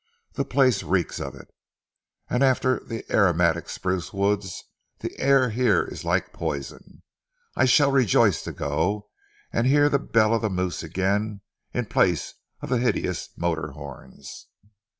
The place reeks of it, and after the aromatic spruce woods the air here is like poison. I shall rejoice to go, and to hear the bell of the moose again in place of hideous motor horns."